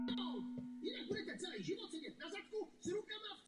Na této dražbě se objeví onen záhadný portrét.